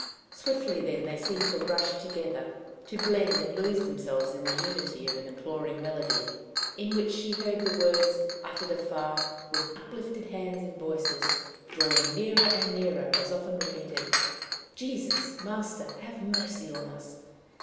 Swiftly then they seemed to rush together, to blend and lose themselves in the unity of an imploring melody, in which she heard the words, uttered afar, with uplifted hands and voices, drawing nearer and nearer as often repeated, "Jesus, Master, have mercy on us."